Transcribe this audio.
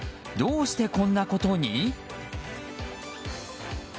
どうしてこんなことに？